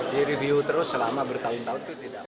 jadi review terus selama bertahun tahun itu tidak